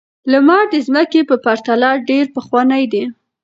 لمر د ځمکې په پرتله ډېر پخوانی دی.